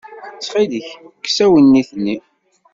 Ttxilek, kkes awennit-nni.